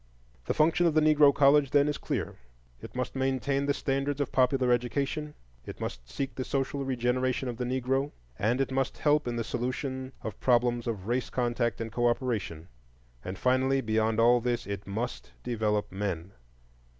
The function of the Negro college, then, is clear: it must maintain the standards of popular education, it must seek the social regeneration of the Negro, and it must help in the solution of problems of race contact and cooperation. And finally, beyond all this, it must develop men.